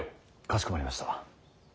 かしこまりました。